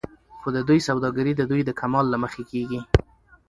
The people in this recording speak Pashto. خو د دوى سوداګري د دوى د کمال له مخې کېږي